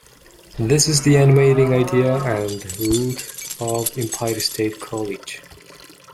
This is the animating idea and the root of Empire State College.